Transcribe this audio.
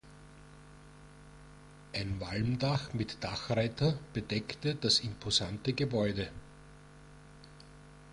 Ein Walmdach mit Dachreiter bedeckte das imposante Gebäude.